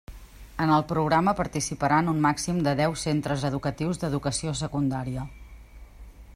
En el programa participaran un màxim de deu centres educatius d'Educació Secundària.